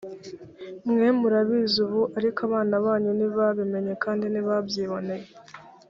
mwe murabizi ubu, ariko abana banyu ntibabimenye kandi ntibabyiboneye?